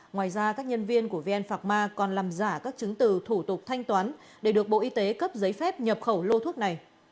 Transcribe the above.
ngoài ra các nhân viên của vn phạc ma còn làm giả các chứng từ thủ tục thanh toán để được bộ y tế cấp giấy phép nhập khẩu lô thuốc này